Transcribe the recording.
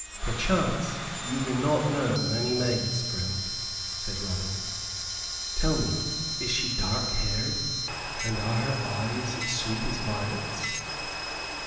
"Perchance you do not know many maids, friend," said Robin. "Tell me, is she dark haired, and are her eyes sweet as violets?"